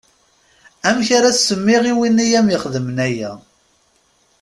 Neɣ amek ara as-semmiɣ i win i am-ixedmen aya.